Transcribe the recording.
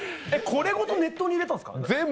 これごと熱湯に入れたんすか？